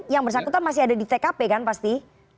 yang bersyukur itu masih ada di tkp kan pasti